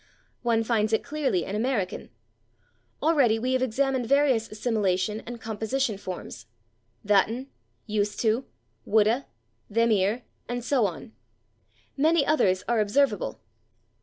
One finds it clearly in American. Already we have examined various assimilation and composition forms: /that'n/, /use' to/, /would'a/, /them 'ere/ and so on. Many others are observable.